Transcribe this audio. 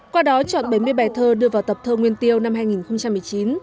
qua đó chọn bảy mươi bài thơ đưa vào tập thơ nguyên tiêu năm hai nghìn một mươi chín